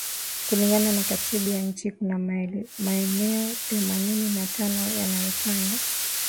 Kulingana na katiba ya nchi kuna maeneo themanini na tano yanayofanya